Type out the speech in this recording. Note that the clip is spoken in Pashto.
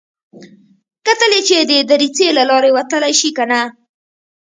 کتل يې چې د دريڅې له لارې وتلی شي که نه.